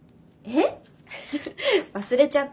えっ？